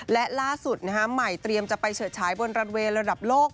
และล่าสุดใหม่เตรียมจะไปเฉิดฉายบนรันเวย์ระดับโลก